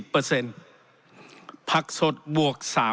๔๐เปอร์เซ็นต์ผักสดบวก